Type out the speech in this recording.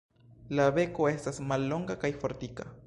La beko estas mallonga kaj fortika.